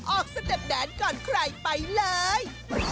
ออกสะเด็ดแดนก่อนใครไปเลย